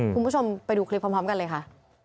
คุณผู้ชมไปดูคลิปพร้อมกันเลยค่ะ